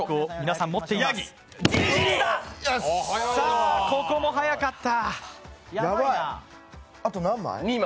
さあ、ここも速かった。